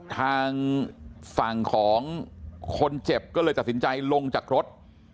ทางฝั่งของคนเจ็บก็เลยตัดสินใจลงจากรถ